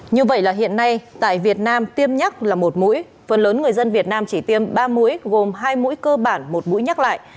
như vậy là hiện nay tại việt nam tiêm nhắc là một mũi phần lớn người dân việt nam chỉ tiêm ba mũi gồm hai mũi cơ bản một mũi nhắc lại